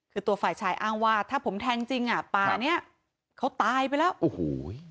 คือตัวฝ่ายชายอ้างว่าถ้าผมแทงจริงอ่ะป่าเนี้ยเขาตายไปแล้วโอ้โห